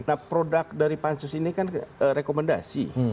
nah produk dari pansus ini kan rekomendasi